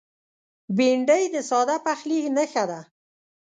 بېنډۍ د ساده پخلي نښه ده